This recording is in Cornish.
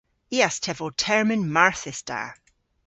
I a's tevo termyn marthys da.